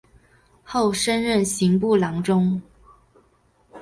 后升任刑部郎中。